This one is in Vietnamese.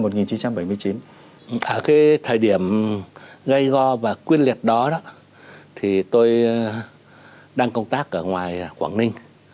ở thời điểm gây go và quyên liệt đó tôi đang công tác ở ngoài quảng ninh